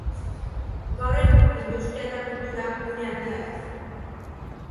Gaur egun industria eta kultura gune handia da.